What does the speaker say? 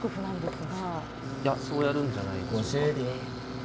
いやそうやるんじゃないでしょうか。